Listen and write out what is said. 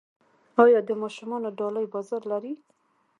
آیا د ماشومانو ډالۍ بازار لري؟